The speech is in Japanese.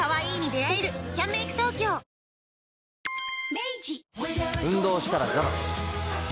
明治運動したらザバス。